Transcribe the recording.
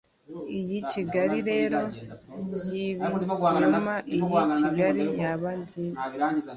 iyi kigali rero yibinyoma, iyi kigali yaba nziza